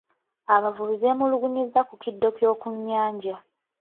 Abavubi beemulugunyizza ku kiddo ky'oku nnyanja.